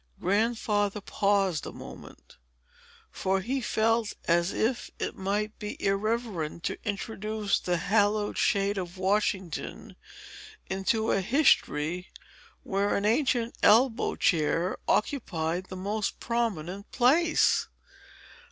Grandfather paused a moment; for he felt as if it might be irreverent to introduce the hallowed shade of Washington into a history, where an ancient elbow chair occupied the most prominent place.